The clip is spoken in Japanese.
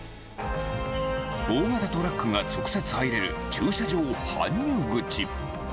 大型トラックが直接入れる駐車場搬入口。